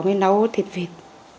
mới nấu thịt vịt